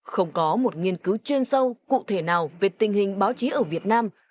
không có một nghiên cứu chuyên sâu cụ thể nào về tình hình báo chí ở việt nam